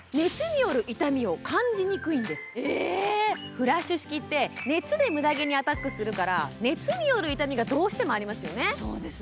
フラッシュ式って熱で無駄毛にアタックするから熱による痛みがどうしてもありますよね。